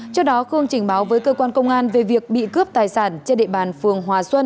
trước đó khương trình báo với cơ quan công an về việc bị cướp tài sản trên địa bàn phường hòa xuân